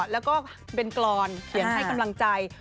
แล้วก็เป็นกรอนเขียนให้กำลังใจ